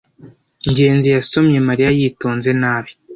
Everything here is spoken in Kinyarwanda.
ngenzi yasomye mariya yitonze nabi